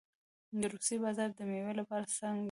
د روسیې بازار د میوو لپاره څنګه دی؟